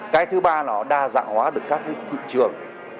cái thứ ba nó đa dạng hóa được các thị trường